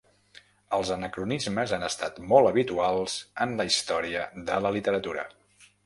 Els anacronismes han estat molt habituals en la història de la literatura.